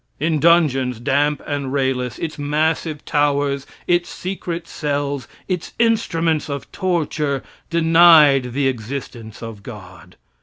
Its dungeons, damp and rayless, its massive towers, its secret cells, its instruments of torture, denied the existence of God.